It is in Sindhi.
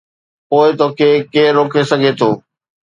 پوءِ توکي ڪير روڪي سگهي ٿو؟